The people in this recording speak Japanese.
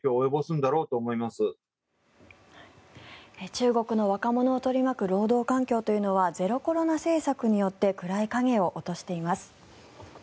中国の若者を取り巻く労働環境というのはゼロコロナ政策によって暗い影を落としています。